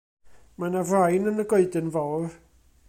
Mae 'na frain yn y goedan fawr.